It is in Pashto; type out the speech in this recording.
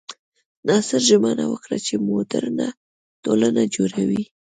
ناصر ژمنه وکړه چې موډرنه ټولنه جوړوي.